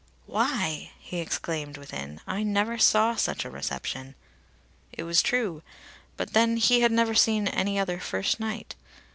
"Why!" he exclaimed within, "I never saw such a reception!" It was true; but then he had never seen any other first night.